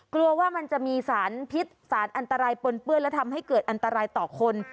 กลัวว่ามันจะมีสารพิษสารอันตรายปนเปื้อนและทำให้เกิดอันตรายต่อคน